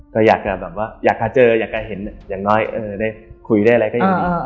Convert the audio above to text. คืออยากจะเจออยากจะเห็นอย่างน้อยได้คุยด้วยอะไรก็ยังดี